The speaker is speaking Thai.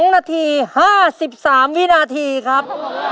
๒นาที๕๓วินาทีครับ